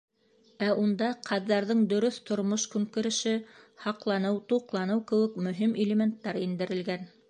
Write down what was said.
Ә унда ҡаҙҙарҙың дөрөҫ тормош-көнкүреше, һаҡланыу, туҡланыу кеүек мөһим элементтар индерелгән.